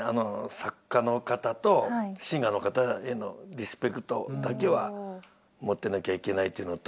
作家の方とシンガーの方へのリスペクトだけは持ってなきゃいけないっていうのと。